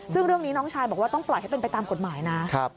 ซึ่งเรื่องนี้น้องชายบอกว่าต้องปล่อยให้เป็นไปตามกฎหมายนะ